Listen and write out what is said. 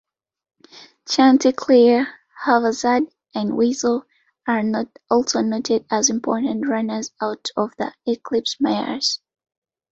Chanticleer, Haphazard, and Weasel are also noted as important runners out of Eclipse mares.